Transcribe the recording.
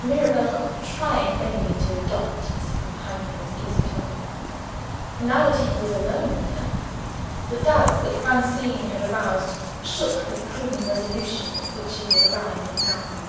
Mirabel tried vainly to adopt his companion's easy tone. Now that he was alone with her, the doubts that Francine had aroused shook the prudent resolution at which he had arrived in the garden.